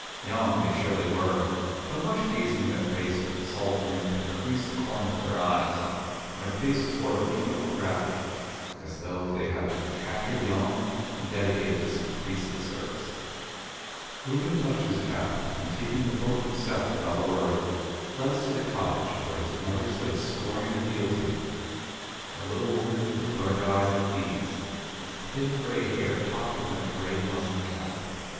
Young they surely were, but much gazing in the face of the salt wind had creased the corners of their eyes, and their faces wore a beautiful gravity, as though they had been captured young and dedicated to some priestly service. Reuben touched his cap, and, taking the book from Seth without a word, led us to the cottage, where his mother stood scouring a deal table: a little woman with dark eyes like beads, and thin grey hair tucked within a grey muslin cap.